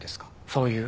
そういう？